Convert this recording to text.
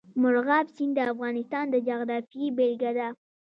مورغاب سیند د افغانستان د جغرافیې بېلګه ده.